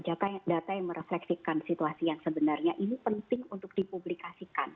data yang merefleksikan situasi yang sebenarnya ini penting untuk dipublikasikan